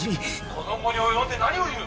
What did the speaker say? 「この期に及んで何を言う！」。